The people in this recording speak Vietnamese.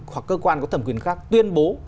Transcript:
hoặc cơ quan có thẩm quyền khác tuyên bố